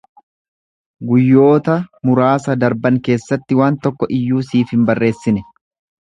Guyyoota muraasa darban keessatti waan tokko iyyuu siif hin barreessine.